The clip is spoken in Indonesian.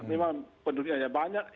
memang penurunannya banyak